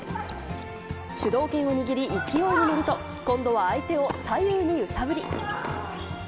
主導権を握り、勢いに乗ると、今度は相手を左右に揺さぶり。